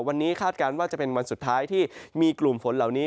วันนี้คาดการณ์ว่าจะเป็นวันสุดท้ายที่มีกลุ่มฝนเหล่านี้